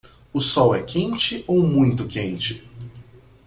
O sol é quente ou muito quente?